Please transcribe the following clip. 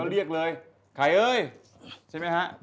เขาเรียกเลยไข่เอ้ยใช่ไหมฮะ